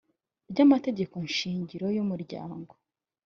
ry amategekoshingiro y umuryango